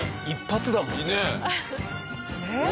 一発だ。ねえ。